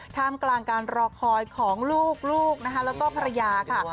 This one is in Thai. ท่ามกลางการรอคอยของลูกนะคะแล้วก็ภรรยาค่ะ